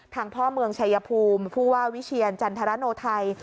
พ่อเมืองชายภูมิผู้ว่าวิเชียรจันทรโนไทย